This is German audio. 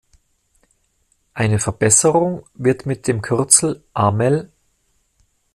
Eine Verbesserung wird mit den Kürzel "amel.